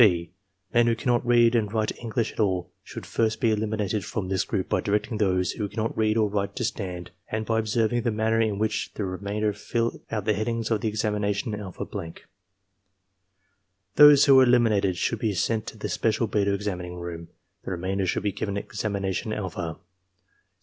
(6) Men who cannot read and write English at all should first be eliminated from this group by directing those who can not read or write to stand, and by observing the manner in which the remainder fill out the headings of the examination alpha blank. Those who are eliminated should be sent to the special beta examining room; the remainder should be given examination alpha.